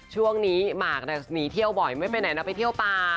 ช่วงนี้หมากหนีเที่ยวบ่อยไม่ไปไหนนะไปเที่ยวป่า